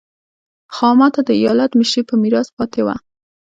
خاما ته د ایالت مشري په میراث پاتې وه.